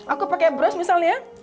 aku pakai bro misalnya